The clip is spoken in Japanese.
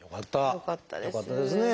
よかったですね。